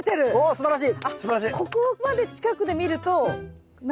すばらしい。